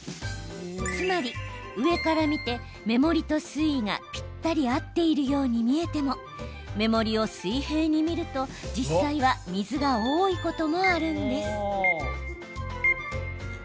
つまり、上から見て目盛りと水位がぴったり合っているように見えても目盛りを水平に見ると実際は水が多いこともあるんです。